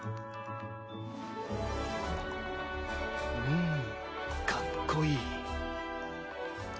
うむかっこいい。